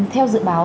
theo dự báo